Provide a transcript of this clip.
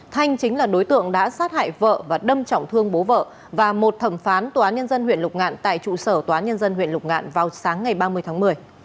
thanh chính là đối tượng đã sát hại vợ và đâm trọng thương bố vợ và một thẩm phán tnhl tại trụ sở tnhl vào sáng ngày ba mươi tháng một mươi